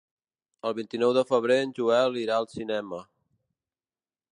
El vint-i-nou de febrer en Joel irà al cinema.